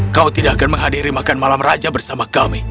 kau tidak akan menghadiri makan malam raja bersama kami